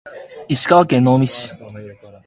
石川県能美市